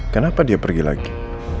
kenapa dia pergi lagi